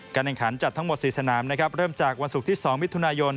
แข่งขันจัดทั้งหมด๔สนามนะครับเริ่มจากวันศุกร์ที่๒มิถุนายน